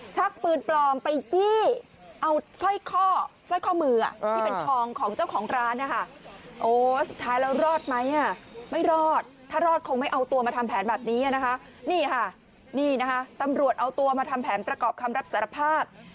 ชักปืนปลอมไปจี้เอาสร้อยข้อสร้อยข้อมือที่เป็นทองของเจ้าของร้านนะคะโอ้สุดท้ายแล้วรอดไหมอ่ะไม่รอดถ้ารอดคงไม่เอาตัวมาทำแผนแบบนี้นะคะนี่ค่ะนี่นะคะตำรวจเอาตัวมาทำแผนประกอบคำรับสารภาพ